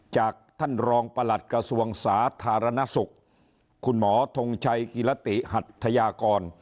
จากท่านรองประหลัดกระทรวงสาธารณสุขคุณหมอทงชัยกิรติหัทยากร